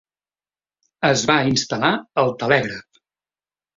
Es va instal·lar el telègraf.